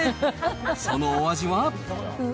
そのお味は？